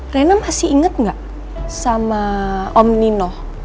rena masih inget enggak sama om nino